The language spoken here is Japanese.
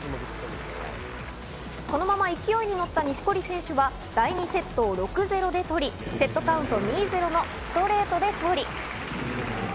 そのまま勢いにのった錦織選手は第２セットを６−０で取り、セットカウント２ー０のストレートで勝利。